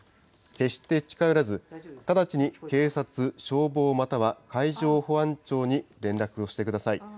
決して近寄らず、直ちに警察、消防または海上保安庁に連絡をしてください。